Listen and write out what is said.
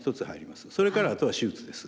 それからあとは手術です。